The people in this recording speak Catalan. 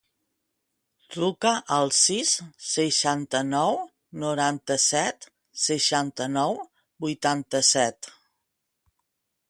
Truca al sis, seixanta-nou, noranta-set, seixanta-nou, vuitanta-set.